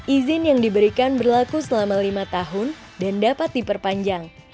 izin yang diberikan berlaku selama lima tahun dan dapat diperpanjang